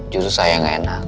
justru saya yang enak